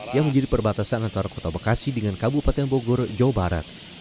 yang menjadi perbatasan antara kota bekasi dengan kabupaten bogor jawa barat